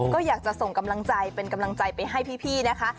ก็อยากจะส่งกำลังใจเป็นกำลังใจไปให้พี่นะคะ